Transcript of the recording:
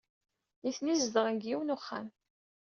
Nitni zedɣen deg yiwen wexxam.